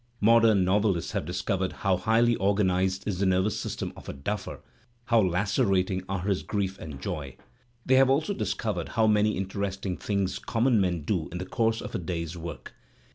Modem novelists have discovered how highly organized is the nervous system of a duffer, how lacerating are his grief and joy; they have also discovered how many interesting things common men do in the course of a day's work.